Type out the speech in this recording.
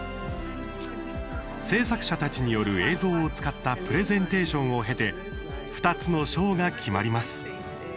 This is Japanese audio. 制作者たちによる映像を使ったプレゼンテーションを経て２つの賞が決まります。